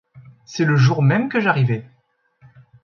C’est le jour même que j’arrivais.